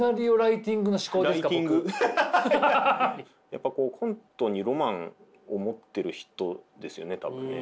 やっぱコントにロマンを持ってる人ですよね多分ね。